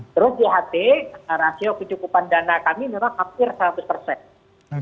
terus jht rasio kecukupan dana kami memang hampir seratus persen